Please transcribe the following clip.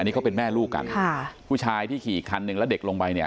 นี่เขาเป็นแม่ลูกกันค่ะผู้ชายที่ขี่คันหนึ่งแล้วเด็กลงไปเนี่ย